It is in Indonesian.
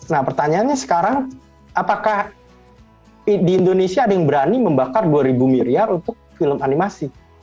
nah pertanyaannya sekarang apakah di indonesia ada yang berani membakar dua ribu miliar untuk film animasi